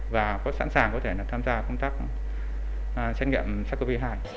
và sẵn sàng có thể tham gia công tác xét nghiệm sars cov hai